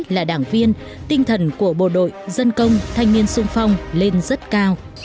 là đảng viên tinh thần của bộ đội dân công thanh niên sung phong lên rất cao